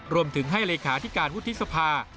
รวมถึงให้เลขาที่การพุทธศภา